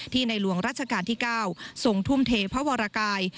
ที่ในหลวงราชกาลที่๙ส่งทุ่มเทพวรกาย